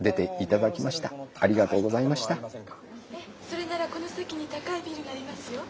それならこの先に高いビルがありますよ。